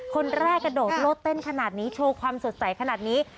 คนแรกกระโดดโลดเต้นขนาดนี้โชว์ความสดใสขนาดนี้